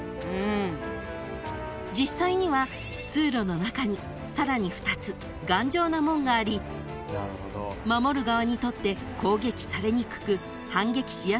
［実際には通路の中にさらに２つ頑丈な門があり守る側にとって攻撃されにくく反撃しやすい構造だったんです］